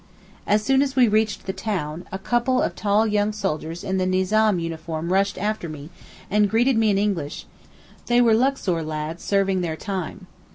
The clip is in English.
As soon as we reached the town, a couple of tall young soldiers in the Nizam uniform rushed after me, and greeted me in English; they were Luxor lads serving their time.